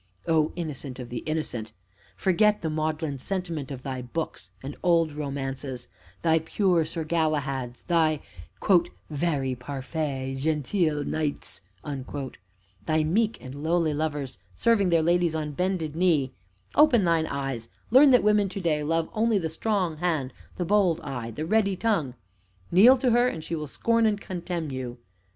O Innocent of the innocent! Forget the maudlin sentiment of thy books and old romances thy pure Sir Galahads, thy "vary parfait gentil knightes," thy meek and lowly lovers serving their ladies on bended knee; open thine eyes, learn that women to day love only the strong hand, the bold eye, the ready tongue; kneel to her, and she will scorn and contemn you.